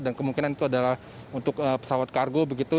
dan kemungkinan itu adalah untuk pesawat kargo begitu